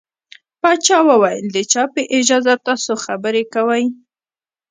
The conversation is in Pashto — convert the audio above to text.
پاچا وويل د چا په اجازه تاسو خبرې کوٸ.